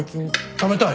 食べたい！